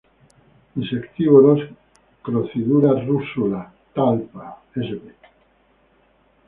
Insectívoros "Crocidura russula", "Talpa" sp.